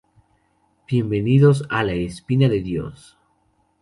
Bienvenidos a La Espina De Dios.